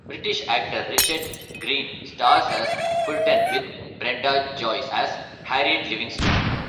British actor Richard Greene stars as Fulton with Brenda Joyce as Harriet Livingston.